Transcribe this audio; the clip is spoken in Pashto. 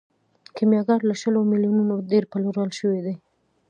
کیمیاګر له شلو میلیونو ډیر پلورل شوی دی.